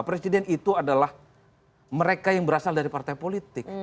presiden itu adalah mereka yang berasal dari partai politik